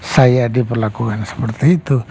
saya diperlakukan seperti itu